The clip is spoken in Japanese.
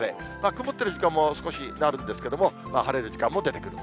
曇っている時間も少しあるんですけれども、晴れる時間も出てくる。